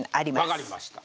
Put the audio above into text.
わかりました